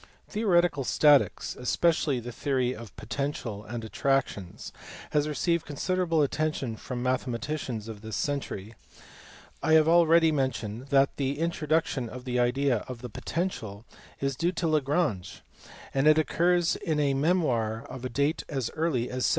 Theoretical Statics, especially the theory of the potential and attractions has received considerable attention from the mathematicians of this century. I have already mentioned (see above, p. 412) that the introduction of the idea of the potential is due to Lagrange, and it occurs in a memoir of a date as early as 1773.